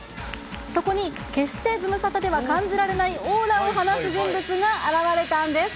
そこに、決してズムサタでは感じられないオーラを放つ人物が現れたんです。